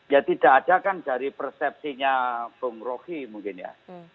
ya tidak ada kan dari persepsinya bung rohi mungkin ya